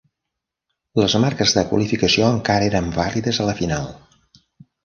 Les marques de qualificació encara eren vàlides a la final.